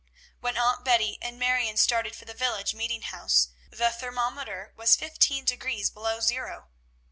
When Aunt Betty and Marion started for the village meeting house, the thermometer was fifteen degrees below zero.